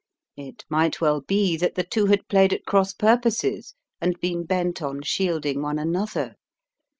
It might well be that the two had played at cross purposes and been bent on shielding one another.